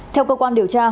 theo cơ quan điều tra